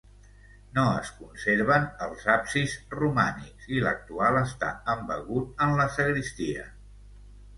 No es conserven els absis romànics i l'actual està embegut en la sagristia.